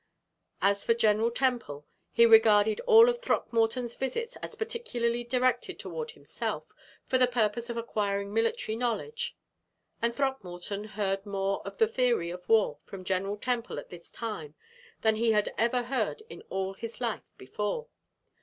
As for General Temple, he regarded all of Throckmorton's visits as particularly directed toward himself, for the purpose of acquiring military knowledge; and Throckmorton heard more of the theory of war from General Temple at this time than he ever heard in all his life before.